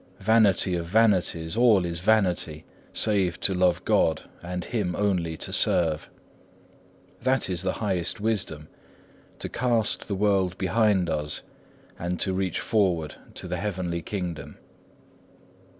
Vanity of vanities, all is vanity, save to love God, and Him only to serve. That is the highest wisdom, to cast the world behind us, and to reach forward to the heavenly kingdom.